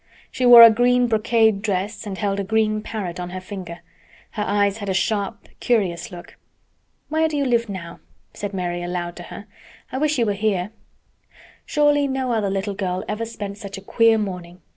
She wore a green brocade dress and held a green parrot on her finger. Her eyes had a sharp, curious look. "Where do you live now?" said Mary aloud to her. "I wish you were here." Surely no other little girl ever spent such a queer morning.